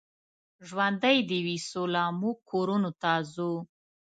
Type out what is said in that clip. ژوندۍ دې وي سوله، موږ کورونو ته ځو.